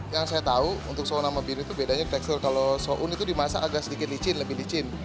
yang saya tahu untuk souna sama biru itu bedanya tekstur kalau soun itu dimasak agak sedikit licin lebih licin